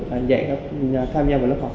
tham gia vào lớp học